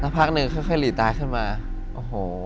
พักหนึ่งค่อยหลีตาขึ้นมาโอ้โห